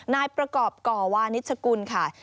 นายประกอบก่อวานิชกุลค่ะ